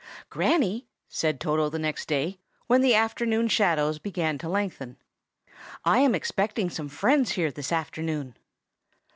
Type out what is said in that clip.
"GRANNY," said Toto the next day, when the afternoon shadows began to lengthen, "I am expecting some friends here this afternoon."